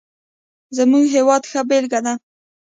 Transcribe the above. زموږ هېواد ښه بېلګه ده.